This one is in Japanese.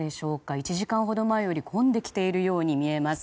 １時間ほど前より混んできているように見えます。